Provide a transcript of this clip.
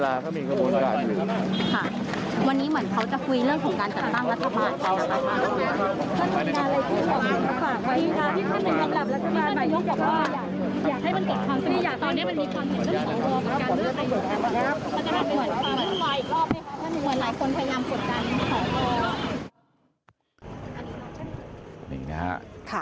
อันนี้นะครับ